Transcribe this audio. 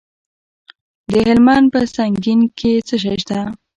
د هلمند په سنګین کې څه شی شته؟